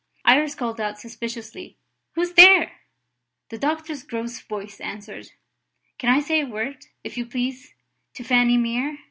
Iris called out suspiciously: "Who's there?" The doctor's gross voice answered: "Can I say a word, if you please, to Fanny Mere?"